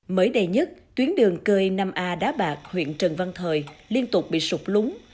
mới đây nhất tuyến đường cơi năm a đá bạc huyện trần văn thời liên tục bị sụp lúng